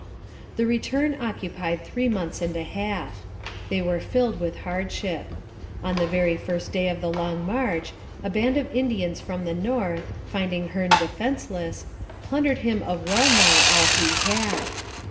The return occupied three months and a half. They were filled with hardship. On the very first day of the long march, a band of Indians from the north, finding Hearne defenceless, plundered him of wellnigh all he had.